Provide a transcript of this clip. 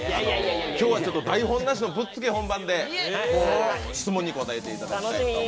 今日はちょっと台本なしのぶっつけ本番で質問に答えていただきたいと思います。